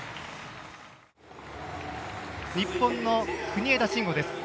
日本の国枝慎吾です。